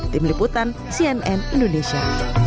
tim liputan cnn indonesia